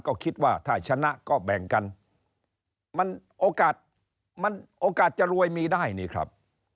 ก็คิดว่าถ้าชนะก็แบ่งกันมันโอกาสมันโอกาสจะรวยมีได้นี่ครับ